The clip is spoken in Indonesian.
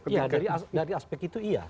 iya dari aspek itu iya